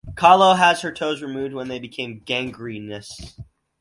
Kahlo has her toes removed when they become gangrenous.